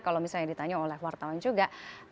kalau misalnya ditanya oleh wartawan juga